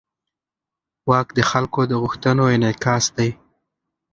واک د خلکو د غوښتنو انعکاس دی.